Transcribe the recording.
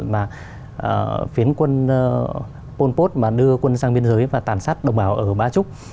mà phiến quân pol pot mà đưa quân sang biên giới và tàn sát đồng bào ở ba trúc